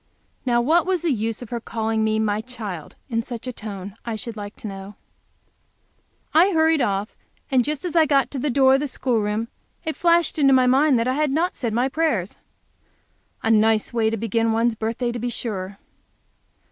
Now what was the use of her calling me "my child" in such a tone, I should like to know. I hurried off, and just as I got to the door of the schoolroom it flashed into my mind that I had not said my prayers! A nice way to begin on one's birthday, to be sure!